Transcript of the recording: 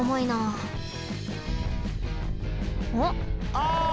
あ！